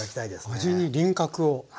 へえ味に輪郭を。